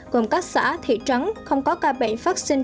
gồm các xã thị trấn không có ca bệnh phát sinh